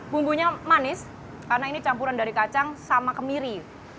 bumbunya manis karena ini campuran dari kacang sama kemiri